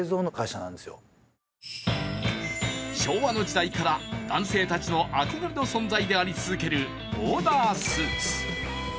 昭和の時代から、男性たちの憧れの存在であり続けるオーダースーツ。